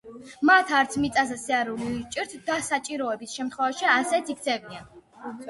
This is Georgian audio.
მათ არც მიწაზე სიარული უჭირთ და საჭიროების შემთხვევაში ასეც იქცევიან.